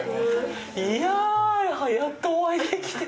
いやぁ、やっとお会いできて。